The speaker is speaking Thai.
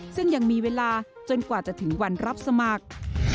ซึ่งยังมีเวลาจนกว่าจะถึงวันรับสมัคร